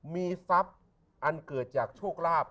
มีทรัพย์อันเกิดจากโชคลาภ